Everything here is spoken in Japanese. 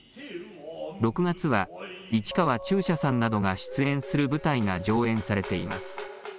６月は市川中車さんなどが出演する舞台が上演されています。